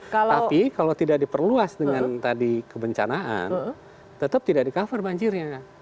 tapi kalau tidak diperluas dengan tadi kebencanaan tetap tidak di cover banjirnya